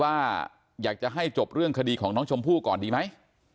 ว่าอยากจะให้จบเรื่องคดีของน้องชมพู่ก่อนดีไหม